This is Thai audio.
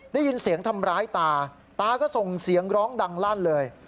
ได้ยินเสียงทำร้ายตาตาก็ส่งเสียงร้องดังลั่นเลย